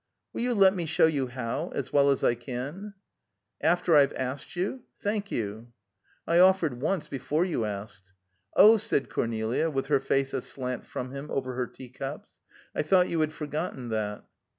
"Will you let me show you how as well as I can?" "After I've asked you? Thank you!" "I offered, once, before you asked." "Oh!" said Cornelia, with her face aslant from him over her tea cups. "I thought you had forgotten that."